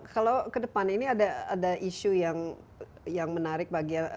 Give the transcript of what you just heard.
kalau ke depan ini ada isu yang menarik bagi